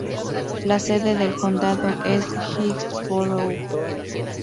La sede del condado es Hillsborough.